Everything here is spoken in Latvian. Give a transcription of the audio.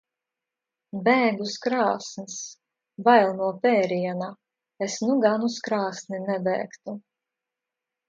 Bēg uz krāsns. Bail no pēriena. Es nu gan uz krāsni nebēgtu.